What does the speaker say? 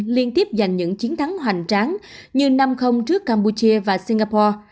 liên tiếp giành những chiến thắng hoành tráng như năm trước campuchia và singapore